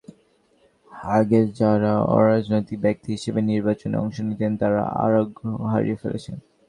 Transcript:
আগে যাঁরা অরাজনৈতিক ব্যক্তি হিসেবে নির্বাচনে অংশ নিতেন, তাঁরা আগ্রহ হারিয়ে ফেলেছেন।